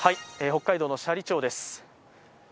北海道の斜里町です。